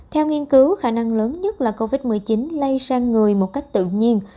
theo nghiên cứu khả năng lớn nhất là covid một mươi chín lây sang người một cách tự nhiên